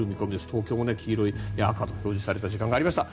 東京も黄色、赤と表示された時間がありました。